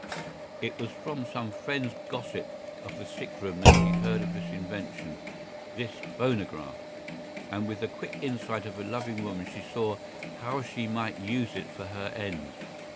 "It was from some friend's gossip of the sick room that she heard of this invention—this phonograph—and with the quick insight of a loving woman she saw how she might use it for her ends.